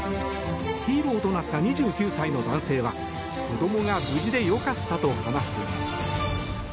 ヒーローとなった２９歳の男性は子どもが無事でよかったと話しています。